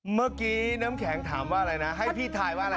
เมื่อกี้น้ำแข็งถามว่าอะไรนะให้พี่ถ่ายว่าอะไร